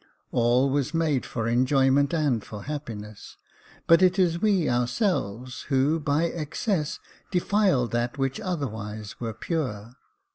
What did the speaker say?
All was made for enjoyment and for happiness ; but it is we ourselves who, by excess, defile that which otherwise were pure.